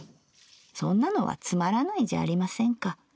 そんなのはつまらないじゃありませんか。